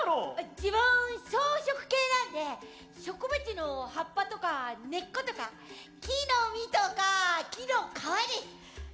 自分草食系なんで植物の葉っぱとか根っことか木の実とか木の皮です。